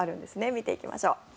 見ていきましょう。